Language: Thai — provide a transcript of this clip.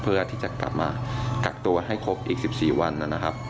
เพื่อที่จะกลับมากักตัวให้ครบอีก๑๔วันนะครับ